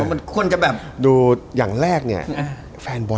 มันควรจะแบบ